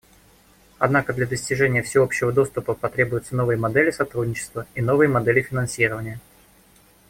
Однако для достижения всеобщего доступа потребуются новые модели сотрудничества и новые модели финансирования.